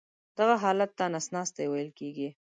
دغه حالت ته نس ناستی ویل کېږي.